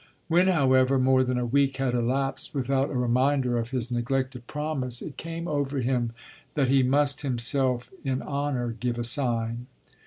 When, however, more than a week had elapsed without a reminder of his neglected promise it came over him that he must himself in honour give a sign.